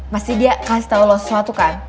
pasti dia kasih tau sesuatu kan